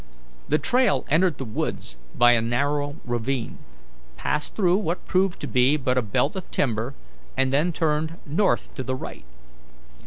The trail entered the woods by a narrow ravine, passed through what proved to be but a belt of timber, and then turned north to the right.